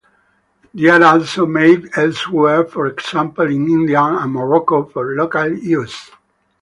They are also made elsewhere, for example in India and Morocco, for local use.